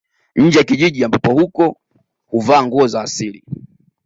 Nje ya kijiji ambapo huko huvaa nguo za asili